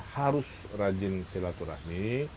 harus rajin silaturahmi